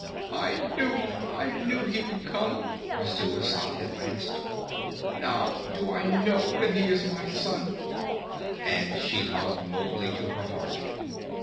"I knew I knew he would come," Messua sobbed at last. "Now do I know that he is my son!" and she hugged Mowgli to her heart.